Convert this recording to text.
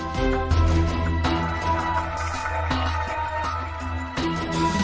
ก็ไม่น่าจะดังกึ่งนะ